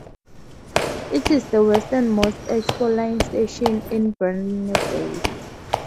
It is the westernmost Expo Line station in Burnaby.